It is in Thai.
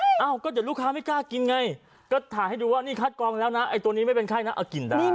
เอ้าก็เดี๋ยวลูกค้าไม่กล้ากินไงก็ถ่ายให้ดูว่านี่คัดกองแล้วนะไอ้ตัวนี้ไม่เป็นไข้นะเอากลิ่นได้